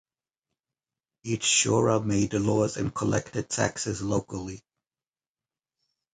Each shura made laws and collected taxes locally.